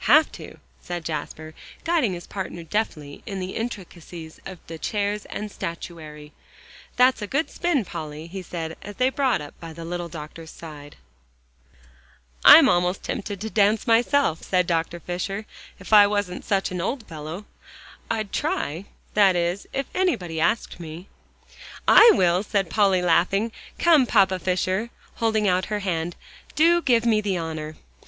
"Have to," said Jasper, guiding his partner deftly in the intricacies of the chairs and statuary. "That's a good spin, Polly," he said, as they brought up by the little doctor's side. "Lovely!" said Polly, pushing back her locks from the sparkling eyes. "I'm almost tempted to dance myself," said Dr. Fisher. "If I wasn't such an old fellow, I'd try; that is, if anybody asked me." "I will," said Polly, laughing. "Come, Papa Fisher," holding out her hand, "do give me the honor."